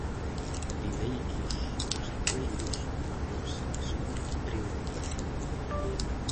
De aí que os hostaleiros, amosen a súa preocupación.